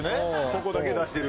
ここだけ出してる